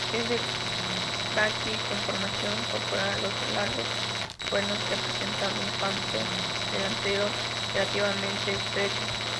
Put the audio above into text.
Es de grácil conformación corporal; los largos cuernos presentan un canto delantero relativamente estrecho.